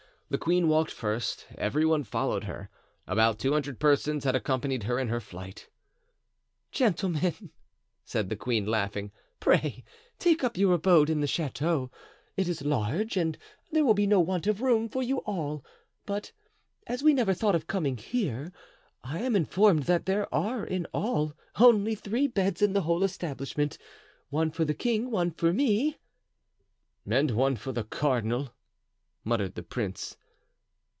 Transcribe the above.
The queen walked first, every one followed her. About two hundred persons had accompanied her in her flight. "Gentlemen," said the queen, laughing, "pray take up your abode in the chateau; it is large, and there will be no want of room for you all; but, as we never thought of coming here, I am informed that there are, in all, only three beds in the whole establishment, one for the king, one for me——" "And one for the cardinal," muttered the prince.